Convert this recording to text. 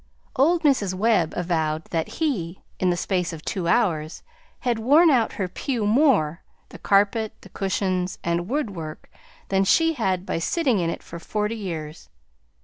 Old Mrs. Webb avowed that he, in the space of two hours, had worn out her pew more the carpet, the cushions, and woodwork than she had by sitting in it forty years.